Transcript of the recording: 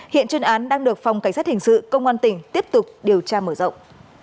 hiện chuyên án đang được phòng cảnh sát hình sự công an tỉnh tiếp tục điều tra mở rộng